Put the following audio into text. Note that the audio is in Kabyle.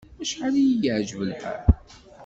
Acḥal i y-iεǧeb lḥal!